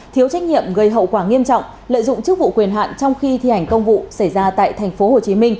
thiếu trách nhiệm gây hậu quả nghiêm trọng lợi dụng chức vụ quyền hạn trong khi thi hành công vụ xảy ra tại tp hcm